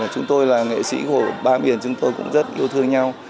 chúng tôi là nghệ sĩ của ba miền chúng tôi cũng rất yêu thương nhau